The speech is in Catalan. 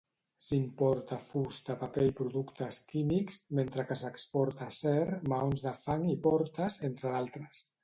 S'importa fusta, paper i productes químics, mentre que s'exporta acer, maons de fang i portes, entre d'altres.